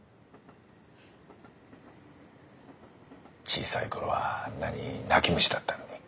小さい頃はあんなに泣き虫だったのに。